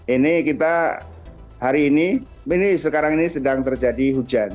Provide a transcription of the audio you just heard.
ini kita hari ini ini sekarang ini sedang terjadi hujan